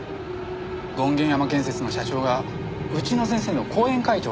権現山建設の社長がうちの先生の後援会長なんだよ。